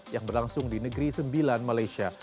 yang berlangsung di negeri sembilan malaysia